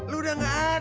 lu udah nggak ada